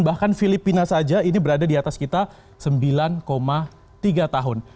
bahkan filipina saja ini berada di atas kita sembilan tiga tahun